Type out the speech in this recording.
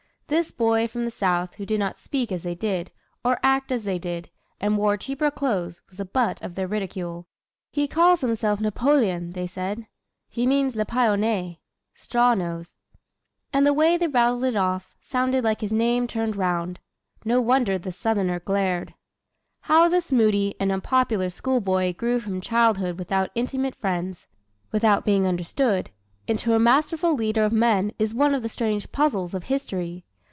This boy from the South who did not speak as they did, or act as they did, and wore cheaper clothes, was the butt of their ridicule. "He calls himself 'Napoleone,'" they said. "He means 'La paille au nez' (straw nose)." And the way they rattled it off sounded like his name turned round. No wonder the Southerner glared. How this moody and unpopular schoolboy grew from childhood without intimate friends without being understood into a masterful leader of men is one of the strange puzzles of history.